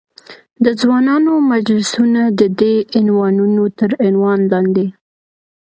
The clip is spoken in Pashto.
د ځوانانو مجلسونه، ددې عنوانونو تر عنوان لاندې.